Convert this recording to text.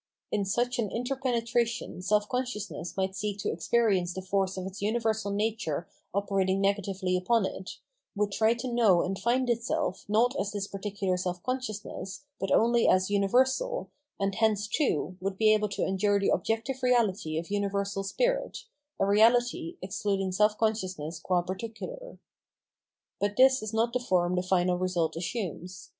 In such an interpenetration self con sciousness might seek to experience the force of its universal nature operating negatively upon it, would try to know and find itself not as this particular self consciousness but only as universal, and hence, too, would be able to endure the objective reality of uni versal spirit, a reality, excluding self consciousness guci particular. But this is not the form the final result assumes.